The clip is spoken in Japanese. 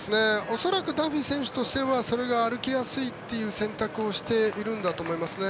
恐らくダンフィー選手としてはそれが歩きやすいという選択をしているんだと思いますね。